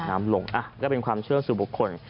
น้ำลงก็เป็นความเชื่อสู่บุคคล